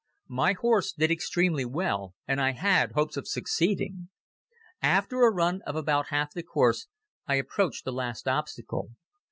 My horse did extremely well and I had hopes of succeeding. After a run of about half the course I approached the last obstacle.